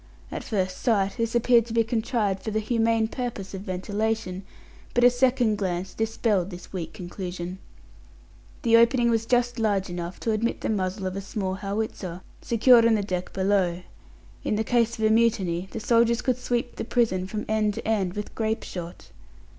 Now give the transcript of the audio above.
At first sight this appeared to be contrived for the humane purpose of ventilation, but a second glance dispelled this weak conclusion. The opening was just large enough to admit the muzzle of a small howitzer, secured on the deck below. In case of a mutiny, the soldiers could sweep the prison from end to end with grape shot.